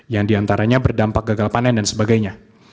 yang diantaranya berdampak gagal panen dan sebagainya